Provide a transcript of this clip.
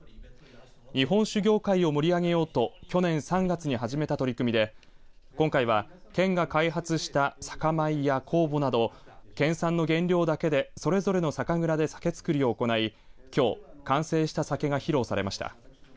日本酒業界を盛り上げようと去年３月に始めた取り組みで今回は県が開発した酒米や酵母など県産の原料だけでそれぞれの酒蔵で酒造りを行いきょう完成した酒が披露されました。